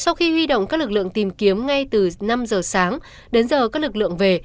sau khi huy động các lực lượng tìm kiếm ngay từ năm giờ sáng đến giờ các lực lượng về